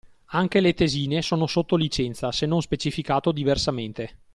Anche le tesine sono sotto licenza se non specificato diversamente.